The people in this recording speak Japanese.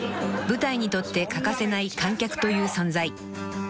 ［舞台にとって欠かせない観客という存在］